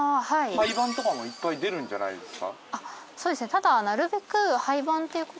廃盤とかもいっぱい出るんじゃないですか？